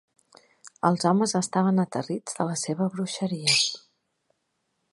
Els homes estaven aterrits de la seva bruixeria.